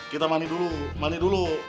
kita mandi dulu mandi dulu